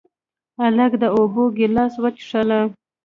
هلک د اوبو ګیلاس وڅښله.